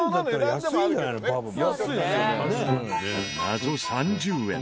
謎３０円。